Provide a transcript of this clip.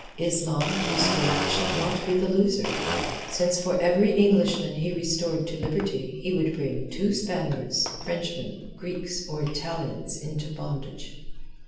Islam, he swore, should not be the loser, since for every Englishman he restored to liberty he would bring two Spaniards, Frenchmen, Greeks, or Italians into bondage.